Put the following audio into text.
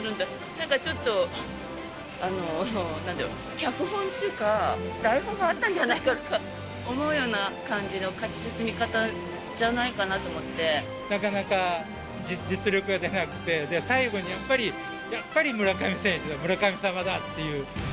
なんかちょっと、なんだろう、脚本っていうか台本があったんじゃないかって思うような感じの勝なかなか実力が出なくて、最後にやっぱり、やっぱり村上選手だ、村神様だっていう。